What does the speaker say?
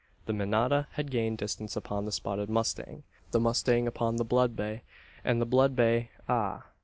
The manada had gained distance upon the spotted mustang; the mustang upon the blood bay; and the blood bay ah!